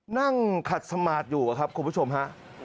นั่งขัดสมาร์ทอยู่ครับคุณผู้ชมฮะ